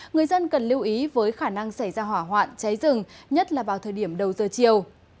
người dân cần lưu ý với khả năng xảy ra hỏa hoạn cháy rừng nhất là vào thời điểm đầu giờ chiều